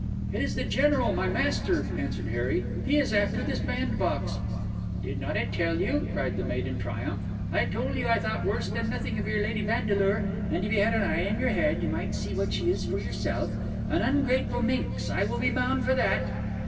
"It is the General, my master," answered Harry. "He is after this bandbox." "Did not I tell you?" cried the maid in triumph. "I told you I thought worse than nothing of your Lady Vandeleur; and if you had an eye in your head you might see what she is for yourself. An ungrateful minx, I will be bound for that!"